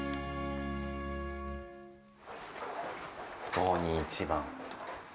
５２１番。